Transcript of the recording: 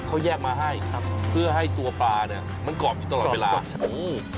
เขาแยกมาให้ครับเพื่อให้ตัวปลาเนี่ยมันกรอบอยู่ตลอดเวลาโอ้โห